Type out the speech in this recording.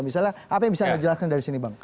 misalnya apa yang bisa anda jelaskan dari sini bang